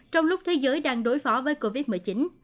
trong lúc thế giới đang đối phó với covid một mươi chín